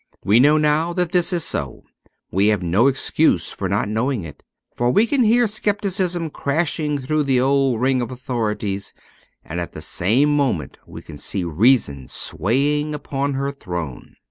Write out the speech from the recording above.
We know now that this is so ; we have no excuse for not knowing it. For we can hear scepticism crashing through the old ring of authorities, and at the same moment we can see reason swaying upon her throne.